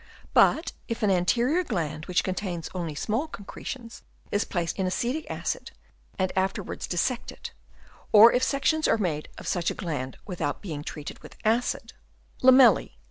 But if an anterior gland which contains only small concretions is placed in acetic acid and afterwards dissected, or if sections are made of such a gland without being treated with acid, 48 HABITS OF WORMS. Chap. I. lamella?